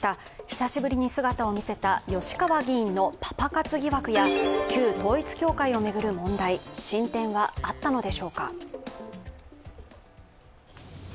久しぶりに姿を見せた吉川議員のパパ活疑惑や旧統一教会を巡る問題、進展があったのでしょうか。